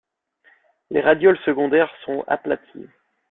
Les radioles secondaires sont aplaties.